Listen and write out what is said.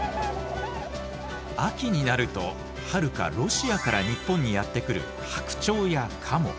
秋になるとはるかロシアから日本にやって来る白鳥やカモ。